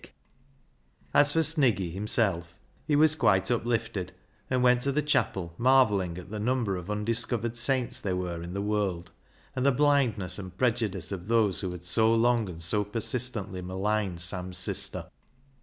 122 BECKSIDE LIGHTS As for Sniggy himself, he was quite upHfted, and went to the chapel marvelling at the number of undiscovered saints there were in the world, and the blindness and prejudice of those who had so long and so persistently maligned Sam's sister.